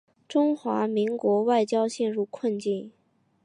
中华民国外交陷入困境。